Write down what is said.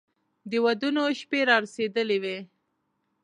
د ودونو شپې را رسېدلې وې.